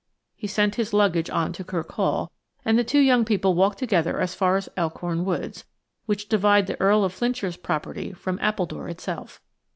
He sent his luggage on to Kirk Hall, and the two young people walked together as far as the Elkhorn Woods, which divide the Earl of Flintshire's property from Appledore itself.